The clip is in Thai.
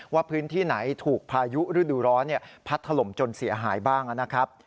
ว่าพื้นที่ไหนถูกพายุฤดูร้อนพัดถล่มจนเสียหายบ้างนะครับ